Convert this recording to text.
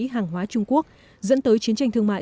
hàng hóa trung quốc dẫn tới chiến tranh thương mại